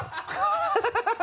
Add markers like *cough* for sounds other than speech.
ハハハ *laughs*